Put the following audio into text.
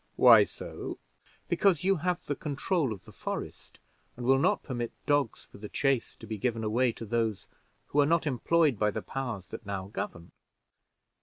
"Why so?" "Because you have the control of the forest, and will not permit dogs for the chase to be given away to those who are not employed by the powers that now govern."